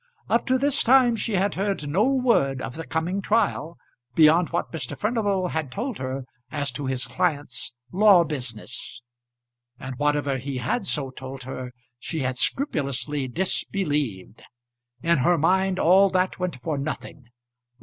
Up to this time she had heard no word of the coming trial beyond what Mr. Furnival had told her as to his client's "law business." And whatever he had so told her, she had scrupulously disbelieved. In her mind all that went for nothing.